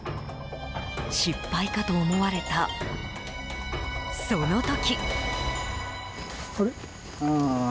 失敗かと思われた、その時。